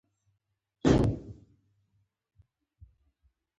لورینز منحني نابرابري اندازه کوي.